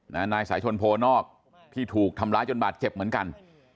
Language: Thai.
นายสายชนโพนอกที่ถูกทำร้ายจนบาดเจ็บเหมือนกัน